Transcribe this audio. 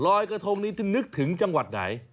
รอยกระทงนี้จะนึกถึงจังหวัดไหน